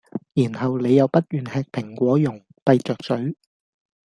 然後你又不願吃蘋果茸，閉著咀